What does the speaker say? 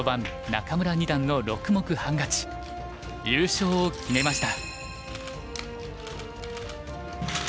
優勝を決めました。